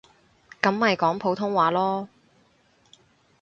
噉咪講普通話囉